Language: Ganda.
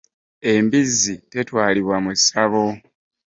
Embizzi tetwalibwa mu ssabo.